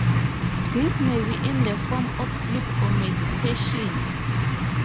This may be in the form of sleep or meditation.